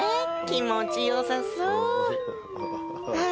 気持ちよさそうはあ